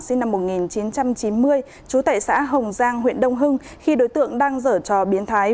sinh năm một nghìn chín trăm chín mươi trú tại xã hồng giang huyện đông hưng khi đối tượng đang dở trò biến thái